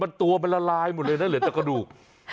มันตัวมันละลายหมดเลยนะเหลือแต่กระดูก